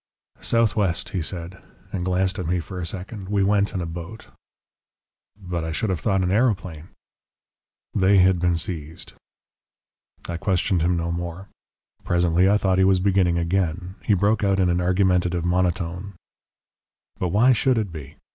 "Southwest," he said, and glanced at me for a second. "We went in a boat." "But I should have thought an aeroplane?" "They had been seized." I questioned him no more. Presently I thought he was beginning again. He broke out in an argumentative monotone: "But why should it be?